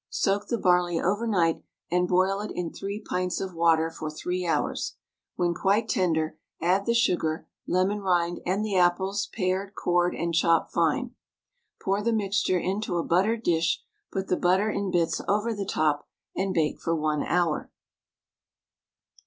Soak the barley overnight, and boil it in 3 pints of water for 3 hours. When quite tender, add the sugar, lemon rind, and the apples pared, cored, and chopped fine. Pour the mixture into a buttered dish, put the butter in bits over the top, and bake for 1 hour.